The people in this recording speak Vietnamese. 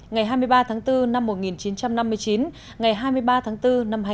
ngày hai mươi ba tháng bốn năm một nghìn chín trăm năm mươi chín ngày hai mươi ba tháng bốn năm hai nghìn năm